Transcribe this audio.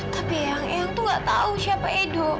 tapi eang eang itu tidak tahu siapa edo